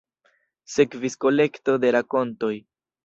Sekvis kolekto de rakontoj".